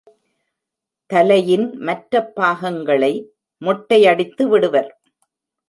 தலையின் மற்ற பாகங்களை மொட்டையடித்து விடுவர்.